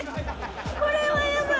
これはやばい！